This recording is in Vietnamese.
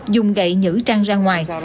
dùng gậy nhữ trăng ra ngoài